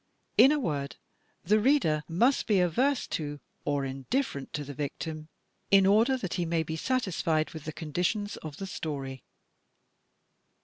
In a word, the reader must be averse to or indif ferent to the victim, in order that he may be satisfied with the conditions of the story.